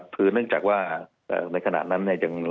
คือเนื่องจากว่าในขณะนั้นเนี่ย